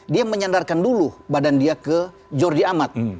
dia menyandarkan dulu badan dia ke jordi amat